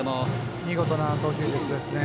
見事な投球術ですね。